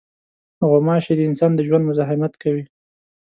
غوماشې د انسان د ژوند مزاحمت کوي.